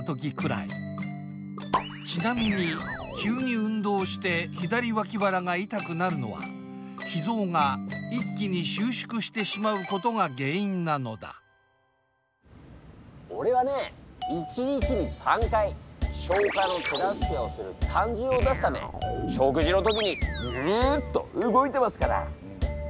ちなみに急に運動して左わき腹が痛くなるのは脾ぞうが一気に収縮してしまうことが原因なのだオレはね一日に３回消化の手助けをする胆汁を出すため食事の時にうっと動いてますから。